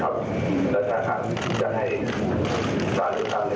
และถ้าครับจะให้สร้างผู้ตัดในทางนี้